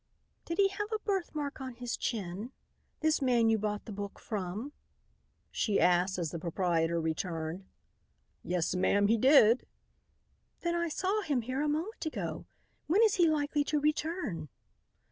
"Did he have a birthmark on his chin, this man you bought the book from?" she asked as the proprietor returned. "Yes, ma'am, he did." "Then I saw him here a moment ago. When is he likely to return?"